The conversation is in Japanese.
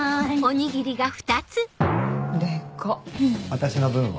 私の分は？